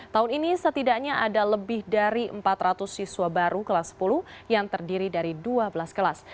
tahun ini setidaknya ada lebih dari empat ratus siswa baru kelas sepuluh yang terdiri dari dua belas kelas